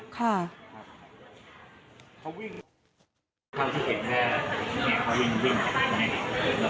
ดูดีนะ